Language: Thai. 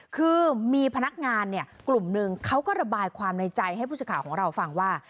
คือมีพนักงานเนี่ยกลุ่มหนึ่งเขาก็ระบายความในใจให้ผู้สื่อข่าวของเราฟังว่า